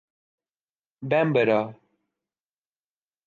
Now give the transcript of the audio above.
Bambara